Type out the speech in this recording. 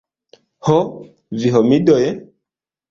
Ho vi homidoj!